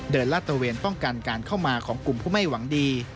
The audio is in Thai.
ลาดตระเวนป้องกันการเข้ามาของกลุ่มผู้ไม่หวังดี